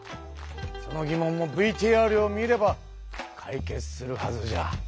そのぎ問もＶＴＲを見れば解決するはずじゃ。